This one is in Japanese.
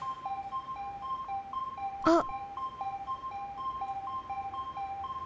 あっ！